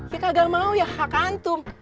ya kagak mau ya hak antum